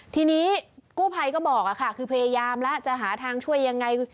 ทีนี้กู้ภัยก็บอกค่ะคือพยายามแล้วจะหาทางช่วยยังไง